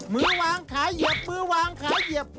มือวางขายเหยียบมือวางขายเหยียบ